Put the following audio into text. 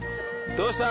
どうした？